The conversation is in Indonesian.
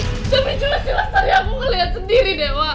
tapi jelas jelas tadi aku ngelihat sendiri dewa